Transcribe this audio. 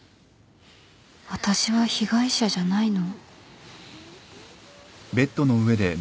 私は被害者じゃないの？